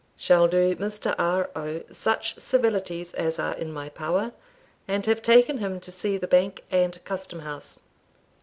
Shall do Mr. R. O. such civilities as are in my power, and have taken him to see the Bank and Custom house.